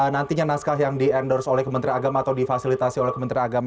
nantinya naskah yang di endorse oleh kementerian agama atau difasilitasi oleh kementerian agama